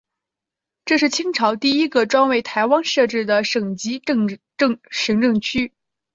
这是清朝第一个专为台湾设置的省级行政区。